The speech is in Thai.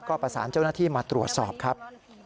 ก็ประสานเจ้าหน้าที่มาตรวจสอบครับ